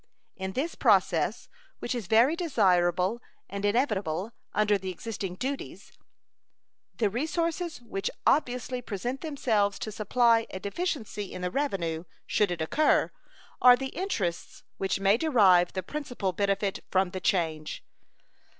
In this process, which is very desirable, and inevitable under the existing duties, the resources which obviously present themselves to supply a deficiency in the revenue, should it occur, are the interests which may derive the principal benefit from the change.